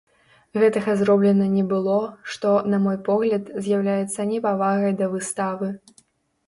Гэтага зроблена не было, што, на мой погляд, з'яўляецца непавагай да выставы.